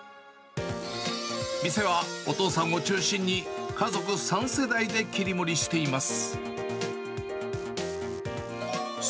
店はお父さんを中心に、家族３世代で切り盛りしています。